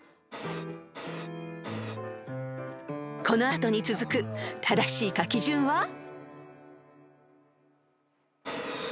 ［この後に続く正しい書き順は］